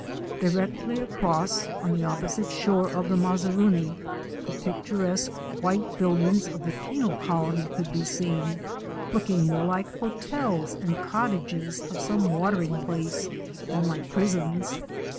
Directly across, on the opposite shore of the Mazaruni, the picturesque white buildings of the penal colony could be seen, looking more like the hotels and cottages of some watering place than like prisons.